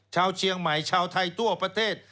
ชาวเชียงใหม่ชาวไทยทั่วประเทศ